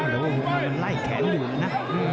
แต่ว่ามันไล่แขนเหลือนะ